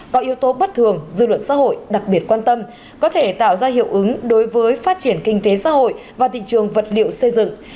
có yếu tố bất thường dư luận xã hội đặc biệt quan tâm có thể tạo ra hiệu ứng đối với phát triển kinh tế xã hội và thị trường vật liệu xây dựng